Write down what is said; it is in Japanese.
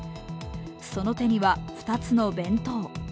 その手には２つの弁当。